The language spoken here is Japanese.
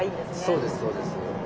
そうですそうです。